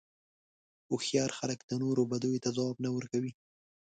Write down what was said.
هوښیار خلک د نورو بدیو ته ځواب نه ورکوي.